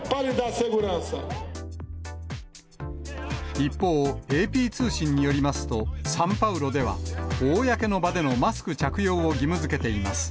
一方、ＡＰ通信によりますと、サンパウロでは、公の場でのマスク着用を義務づけています。